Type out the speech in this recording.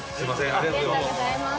ありがとうございます。